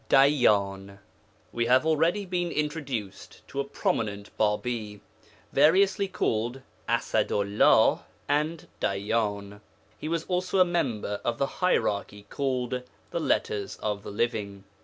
DAYYAN We have already been introduced to a prominent Bābī, variously called Asadu'llah and Dayyan; he was also a member of the hierarchy called 'the Letters of the Living.'